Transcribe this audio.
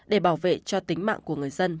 để bảo vệ cho tính mạng của người dân